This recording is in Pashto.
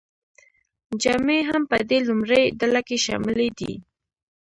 جامې هم په دې لومړۍ ډله کې شاملې دي.